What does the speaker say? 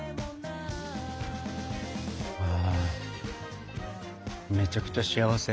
ああめちゃくちゃ幸せ。